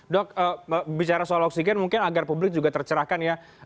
dok bicara soal oksigen mungkin agar publik juga tercerahkan ya